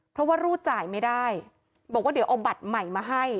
เพราะว่ารูดจ่ายไม่ได้บอกว่าเดี๋ยวเอาบัตรใหม่มาให้